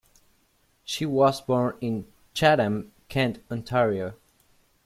She was born in Chatham-Kent, Ontario.